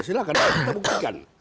silahkan kita buktikan